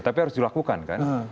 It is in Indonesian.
tapi harus dilakukan kan